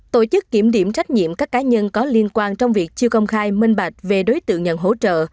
tổ chức kiểm điểm trách nhiệm các cá nhân có liên quan trong việc chưa công khai minh bạch về đối tượng nhận hỗ trợ